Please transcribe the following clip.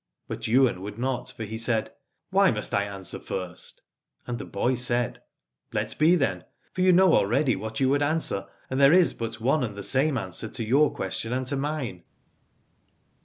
But Ywain would not, for he said : Why must I answer first ? And the boy said : Let be, then ; for you know already what you would answer, and II Aladore there is but one and the same answer to your question and to mine.